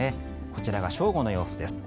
こちらが正午の様子です。